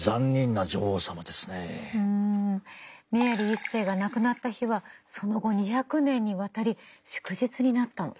うんメアリー１世が亡くなった日はその後２００年にわたり祝日になったの。